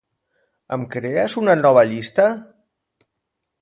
Em crees una nova llista?